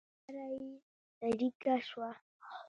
په غاړه یې څړيکه شوه.